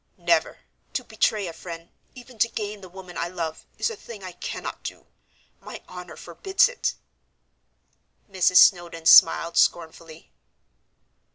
"Never! To betray a friend, even to gain the woman I love, is a thing I cannot do; my honor forbids it." Mrs. Snowdon smiled scornfully.